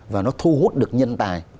và nó thu hút được nhân tài